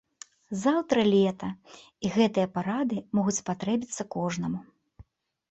Заўтра лета, і гэтыя парады могуць спатрэбіцца кожнаму.